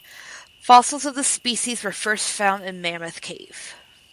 Fossils of this species were first found in Mammoth Cave.